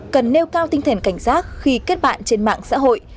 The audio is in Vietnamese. cần nêu cao tinh thần cảnh giác khi kết bạn trên mạng xã hội